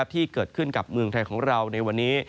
ที่เกิดขึ้นกับเมืองไทยของเราในวันนี้